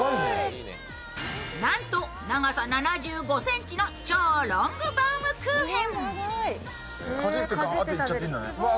なんと長さ７５ｃｍの超ロングバームクーヘン。